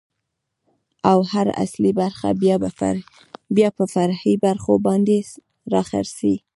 ، او هر اصلي برخه بيا په فرعي برخو باندې را څرخي.